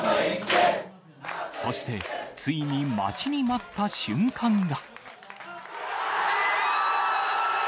そして、ついに待ちに待った瞬間が。